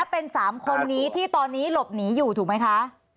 เป็น๓คนนี้ที่ตอนนี้หลบหนีอยู่ถูกไหมคะ